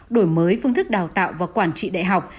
đổi mới phương thức đào tạo và quản trị đại học